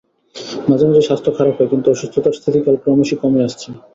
মাঝে মাঝে স্বাস্থ্য খারাপ হয়, কিন্তু অসুস্থতার স্থিতিকাল ক্রমশই কমে আসছে।